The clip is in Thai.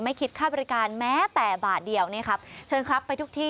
ไม่คิดค่าบริการแม้แต่บาดเดียวเนี่ยครับ